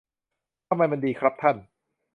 ทำไมมันดีครับท่าน